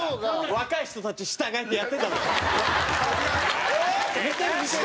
若い人たち従えてやってたじゃん。